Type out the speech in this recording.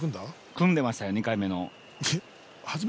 組んでましたよ、２回め。